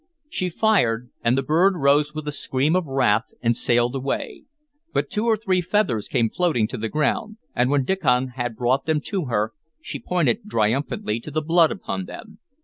She fired, and the bird rose with a scream of wrath and sailed away. But two or three feathers came floating to the ground, and when Diccon had brought them to her she pointed triumphantly to the blood upon them.